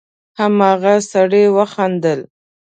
هماغه سړي وخندل: